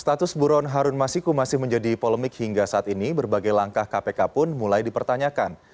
status buron harun masiku masih menjadi polemik hingga saat ini berbagai langkah kpk pun mulai dipertanyakan